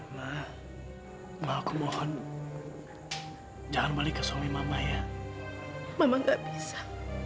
mah mah aku mohon jangan balik ke suami mama ya mama nggak bisa